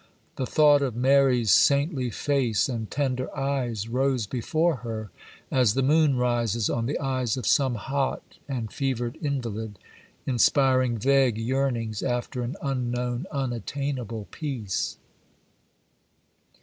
The thought of Mary's saintly face and tender eyes rose before her as the moon rises on the eyes of some hot and fevered invalid, inspiring vague yearnings after an unknown, unattainable peace.